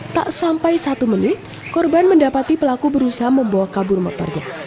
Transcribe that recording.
tak sampai satu menit korban mendapati pelaku berusaha membawa kabur motornya